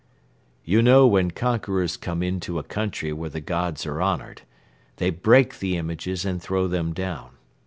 "You know when conquerors come into a country where the gods are honored, they break the images and throw them down.